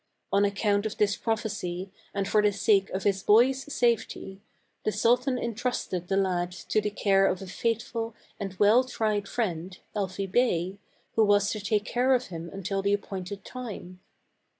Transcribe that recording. On account of this prophecy, and for the sake of his boy's safety, the sultan intrusted the lad to the care of a faithful and well tried friend, Elfi Bey, who was to take care of him until the appointed time.